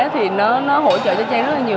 thì nó hỗ trợ cho trang rất là nhiều